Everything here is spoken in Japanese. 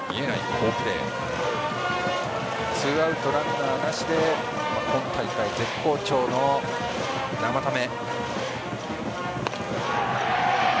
ツーアウトランナーなしで今大会絶好調の生田目。